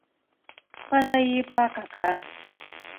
پزه يې پاکه کړه.